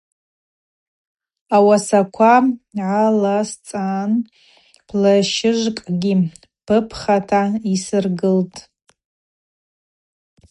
Ауасаква гӏаласцан плащыжвкӏгьи пыпхата йсыргылтӏ.